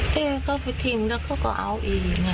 เฮ้เขาไปทิ้งแล้วก็เอาอีกไง